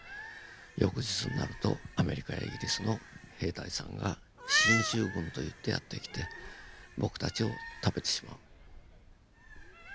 翌日になるとアメリカやイギリスの兵隊さんが進駐軍といってやって来て僕たちを食べてしまう。